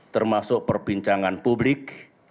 termasuk perbincangan publik